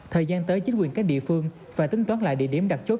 thời gian tới chính quyền các địa phương phải tính toán lại địa điểm đặt chốt